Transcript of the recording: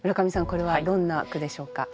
これはどんな句でしょうか？